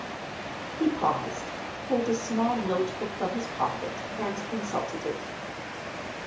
He paused, pulled a small notebook from his pocket, and consulted it.